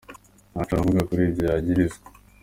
Nta co aravuga kuri ivyo yagirizwa.